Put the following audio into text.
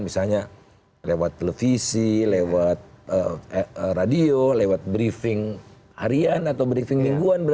misalnya lewat televisi lewat radio lewat briefing harian atau briefing mingguan